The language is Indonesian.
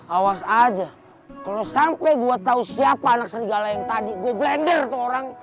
awas aja kalau sampai gue tahu siapa anak serigala yang tadi gue blender tuh orang